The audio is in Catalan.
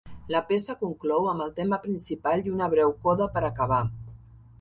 La peça conclou amb el tema principal i una breu coda per acabar.